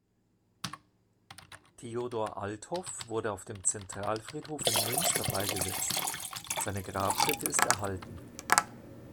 Theodor Althoff wurde auf dem Zentralfriedhof in Münster beigesetzt, seine Grabstätte ist erhalten.